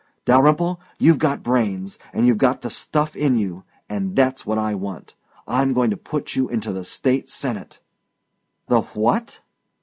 "Dalyrimple, you've got brains and you've got the stuff in you and that's what I want. I'm going to put you into the State Senate." "The WHAT?"